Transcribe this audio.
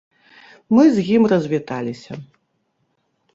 Мы з ім развіталіся.